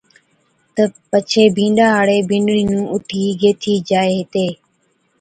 تہ پڇي بِينڏا ھاڙي بِينڏڙِي نُون اُٺي گيهٿِي جائي ھِتي